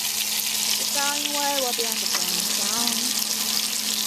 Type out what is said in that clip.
本列表为布基纳法索驻中华民国和中华人民共和国历任大使名录。